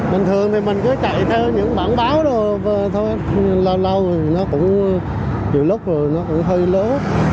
bình thường thì mình cứ chạy theo những bản báo rồi thôi lâu lâu nó cũng chịu lúc rồi nó cũng hơi lớn